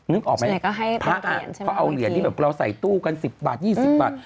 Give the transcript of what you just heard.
นึกออกไหมพระอาทิตย์เพราะเอาเหรียญที่เราใส่ตู้กัน๑๐บาท๒๐บาท